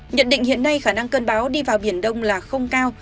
nhận định hiện nay khả năng cơn bão đi vào biển đông là không cao